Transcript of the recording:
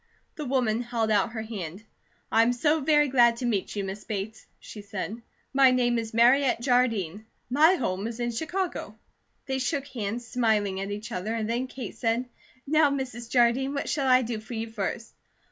The woman held out her hand. "I'm so very glad to meet you, Miss Bates," she said. "My name is Mariette Jardine. My home is in Chicago." They shook hands, smiling at each other, and then Kate said: "Now, Mrs. Jardine, what shall I do for you first?"